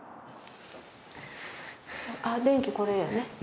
あ電気これやね。